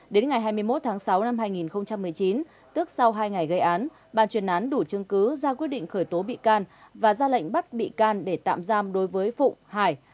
đến ngày hai mươi một tháng sáu năm hai nghìn một mươi chín tức sau hai ngày gây án bà chuyên án đủ chứng cứ ra quyết định khởi tố bị can và ra lệnh bắt bị can để tạm giam đối với phụng hải